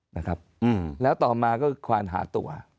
นะครับแล้วต่อมาก็ควานหาตัว